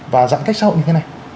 và giãn cách xã hội như thế này